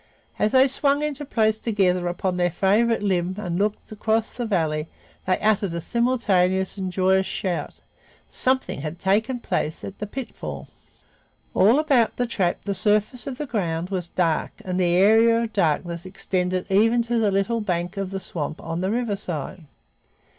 As they swung into place together upon their favorite limb and looked across the valley, they uttered a simultaneous and joyous shout. Something had taken place at the pitfall! All about the trap the surface of the ground was dark and the area of darkness extended even to the little bank of the swamp on the riverside.